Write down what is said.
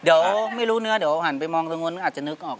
เดี๋ยวไม่รู้เนื้อหันไปมองทั้งนู้นอาจจะนึกออก